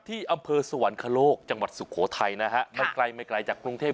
ที่อำเภอสวรรคโลกจังหวัดสุโขทัยนะฮะไม่ไกลไม่ไกลจากกรุงเทพ